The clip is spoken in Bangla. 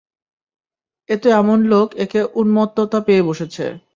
এতো এমন লোক, একে উন্মত্ততা পেয়ে বসেছে।